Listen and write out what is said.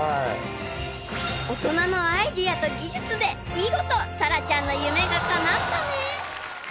［大人のアイデアと技術で見事咲愛ちゃんの夢がかなったね！］